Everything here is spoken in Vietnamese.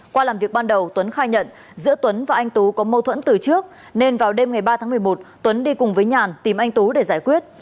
qua làm việc ban đầu tuấn khai nhận giữa tuấn và anh tú có mâu thuẫn từ trước nên vào đêm ngày ba tháng một mươi một tuấn đi cùng với nhàn tìm anh tú để giải quyết